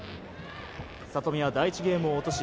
里見は第１ゲームを落とし